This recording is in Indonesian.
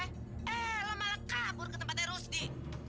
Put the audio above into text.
eh lo malah kabur ke tempatnya rus di